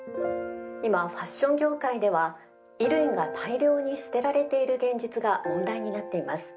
今ファッション業界では衣類が大量に捨てられている現実が問題になっています。